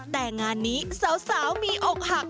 แต่งานนี้สาวมีอกหัก